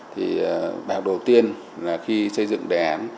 thì bài học đầu tiên là khi xây dựng đề án